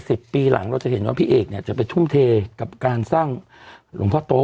สิบปีหลังเราจะเห็นว่าพี่เอกเนี่ยจะไปทุ่มเทกับการสร้างหลวงพ่อโต๊